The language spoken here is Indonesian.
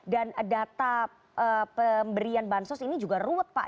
dan data pemberian bansos ini juga ruwet pak